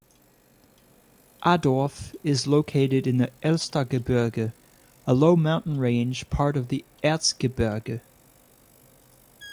Adorf is located in the Elstergebirge, a low mountain range, part of the Erzgebirge.